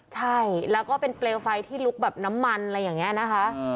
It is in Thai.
ใช่แล้วก็เป็นเปลวไฟที่ลุกแบบน้ำมันอะไรอย่างนี้นะคะ